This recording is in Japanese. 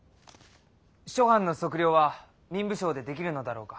諸藩の測量は民部省でできるのだろうか？